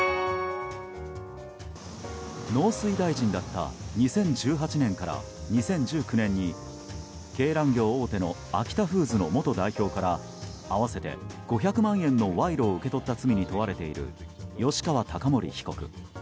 農水大臣だった２０１８年から２０１９年に鶏卵業大手のアキタフーズの元代表から合わせて５００万円の賄賂を受け取った罪に問われている吉川貴盛被告。